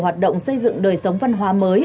hoạt động xây dựng đời sống văn hóa mới